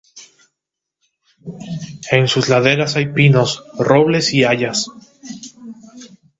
En sus laderas hay pinos, robles y hayas.